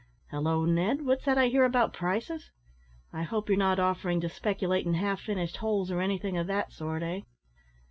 "Halloo, Ned, what's that I hear about prices? I hope you're not offering to speculate in half finished holes, or anything of that sort, eh?"